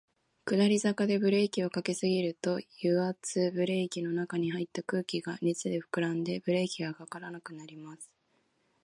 下り坂でブレーキを掛けすぎると、油圧ブレーキの中に入った空気が熱で膨らんで、ブレーキが掛からなくなります。